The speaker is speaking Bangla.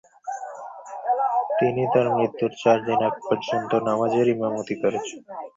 তিনি তার মৃত্যুর চারদিন আগ পর্যন্ত নামাজের ইমামতি করেছেন।